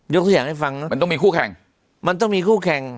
ยกทุกอย่างให้ฟังมันต้องมีคู่แข่ง